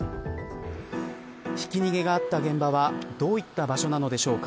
ひき逃げがあった現場はどういった場所なのでしょうか。